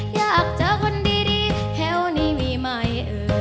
อยากเจอคนดีแถวนี้มีไหม